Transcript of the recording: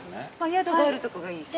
宿があるとこがいいです。